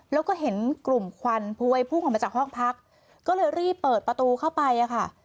แล้วก็เห็นกลุ่มควันพวยพุ่งออกมาจากห้องพักก็เลยรีบเปิดประตูเข้าไปอะค่ะ